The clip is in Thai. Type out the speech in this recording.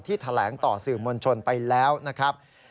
แถลงต่อสื่อมวลชนไปแล้วนะครับ